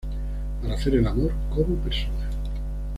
Para hacer el amor como personas.